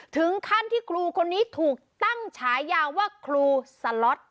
ถึงขั้นที่ครูคนนี้ถูกตั้งฉายาว่าครูสล็อต